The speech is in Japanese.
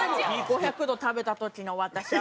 ５００度食べた時の私が。